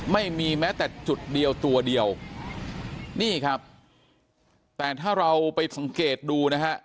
ไม่มีแม้แต่จุดเดียวตัวเดียวนี่ครับแต่ถ้าเราไปสังเกตดูนะฮะ